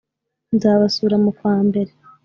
nzabasura mukwa mbere